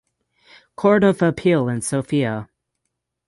Court of Appeal in Sofia.